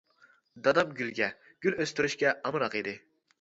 دادام گۈلگە، گۈل ئۆستۈرۈشكە ئامراق ئىدى.